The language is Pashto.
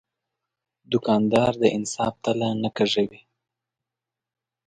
دوکاندار د انصاف تله نه کږوي.